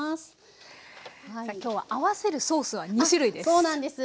さあ今日は合わせるソースは２種類です。